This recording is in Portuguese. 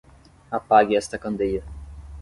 Apague esta candeia